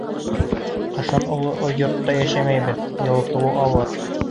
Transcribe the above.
— Ҡышын оло йортта йәшәмәйбеҙ, йылытыуы ауыр.